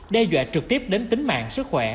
đe dọa trực tiếp đến tính mạng sức khỏe